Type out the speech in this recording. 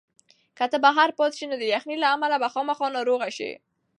که ته بهر پاتې شې نو د یخنۍ له امله به خامخا ناروغه شې.